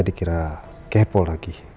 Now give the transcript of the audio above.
dikira kepo lagi